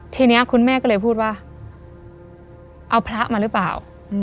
ทีนี้คุณแม่ก็เลยพูดว่าเอาพระมาหรือเปล่า